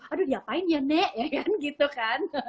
aduh diapain ya nek ya kan gitu kan